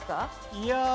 いや。